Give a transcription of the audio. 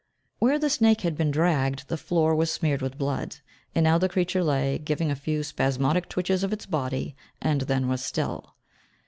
Where the snake had been dragged, the floor was smeared with blood, and now the creature lay, giving a few spasmodic twitches of its body, and then was still.